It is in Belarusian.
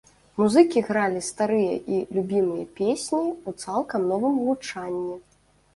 Музыкі гралі старыя і любімыя песні ў цалкам новым гучанні.